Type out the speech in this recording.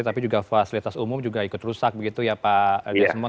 tapi juga fasilitas umum juga ikut rusak begitu ya pak desmond